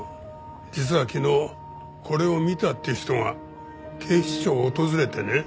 実は昨日これを見たって人が警視庁を訪れてね。